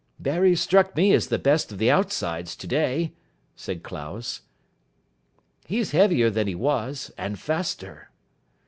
"Barry struck me as the best of the outsides today," said Clowes. "He's heavier than he was, and faster."